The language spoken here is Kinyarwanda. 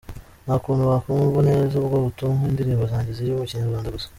Ntakuntu bakumva neza ubwo butumwa indirimbo zanjye ziri mu Kinyarwanda gusa.